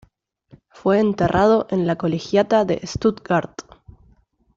Fue enterrado en la Colegiata de Stuttgart.